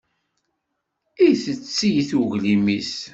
Itett-it uglim-is.